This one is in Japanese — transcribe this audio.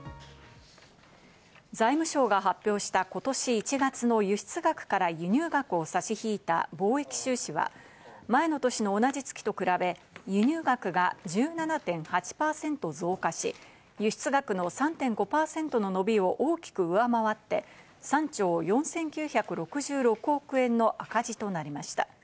財務省が発表した今年１月の輸出額から輸入額を差し引いた貿易収支は、前の年の同じ月と比べ、輸入額が１７．８％増加し、輸出額の３．５％の伸びを大きく上回って、３兆４９６６億円の赤字となりました。